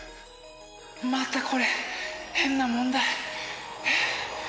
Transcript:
またこれ変な問題。